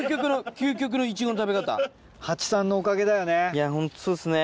いやホントそうっすね。